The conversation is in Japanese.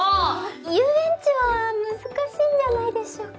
遊園地は難しいんじゃないでしょうか。